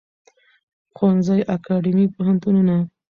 ښوونځی اکاډیمی پوهنتونونه